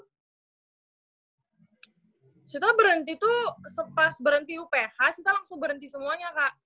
setelah berhenti tuh sepas berhenti uph kita langsung berhenti semuanya kak